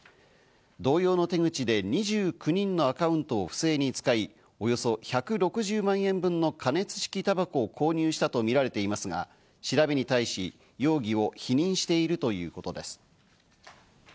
同様の手口で２９人のアカウントを不正に使い、およそ１６０万円分の加熱式たばこを購入したとみられていますが、調べに対し、容疑を否認しているということです。